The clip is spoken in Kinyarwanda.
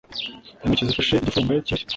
Intoki zifashe igifunga kirashya!